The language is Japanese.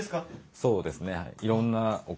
そうですね。